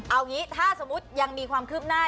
เอาอย่างนี้ถ้าสมมถิตยังมีความคืบหน้า